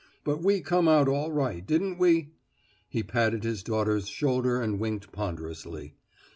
But we come out all right, didn't we?" He patted his daughter's shoulder and winked ponderously.